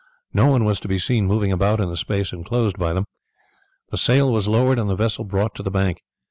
No one was to be seen moving about in the space inclosed by them. The sail was lowered and the vessel brought to the bank.